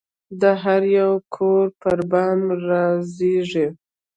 د هریو کور پربام رازیږې